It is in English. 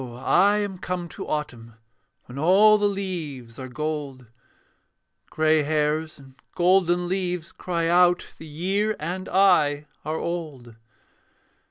I am come to autumn, When all the leaves are gold; Grey hairs and golden leaves cry out The year and I are old.